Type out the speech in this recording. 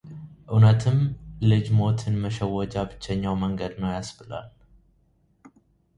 እውነትም ልጅ ሞትን መሸወጃ ብቸኛው መንገድ ነው ያስብላል።